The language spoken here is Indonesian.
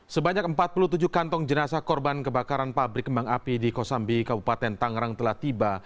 sebanyak empat puluh tujuh kantong jenazah korban kebakaran pabrik kembang api di kosambi kabupaten tangerang telah tiba